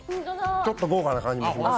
ちょっと豪華な感じもします。